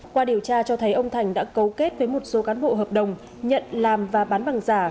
qua điều tra cho thấy ông thành đã cấu kết với một số cán bộ hợp đồng nhận làm và bán bằng giả